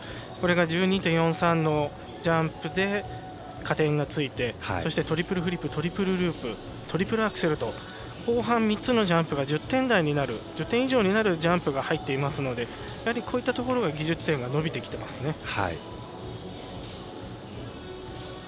これが１２．４３のジャンプで加点がついてそして、トリプルフリップトリプルループトリプルアクセルと後半３つのジャンプが１０点以上になるジャンプが入っていますのでこういったところで技術点が伸びてきていますね。